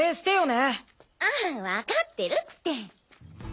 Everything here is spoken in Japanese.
あぁわかってるって。